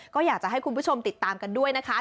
ก็อยากจะให้คุณผู้ชมติดตามกันด้วยนะคะ